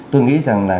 tôi nghĩ rằng là